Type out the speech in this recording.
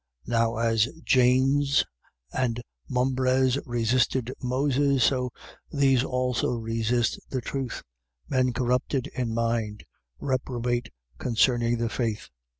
3:8. Now as Jannes and Mambres resisted Moses, so these also resist the truth, men corrupted in mind, reprobate concerning the faith.